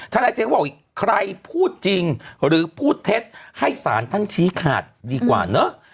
ท่านไทยเจ๊ว่าใครพูดจริงหรือพูดเท็จให้สารทั้งชี้ขาดดีกว่าเนอะ